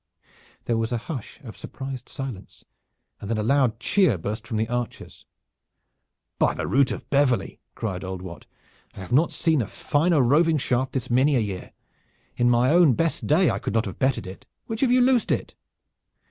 There was a hush of surprised silence and then a loud cheer burst from the archers. "By the rood of Beverley!" cried old Wat, "I have not seen a finer roving shaft this many a year. In my own best day I could not have bettered it. Which of you loosed it?"